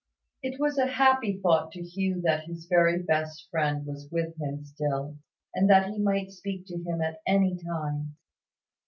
It was a happy thought to Hugh that his very best friend was with him still, and that he might speak to Him at any time.